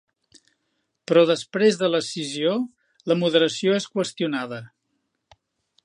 Però després de l'escissió, la moderació és qüestionada.